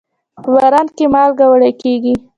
په باران کې مالګه وړي کېږي.